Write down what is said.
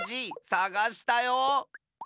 さがしたよ。